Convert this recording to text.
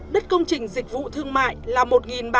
đất công trình dịch vụ thương mại là một ba trăm tám mươi bốn m hai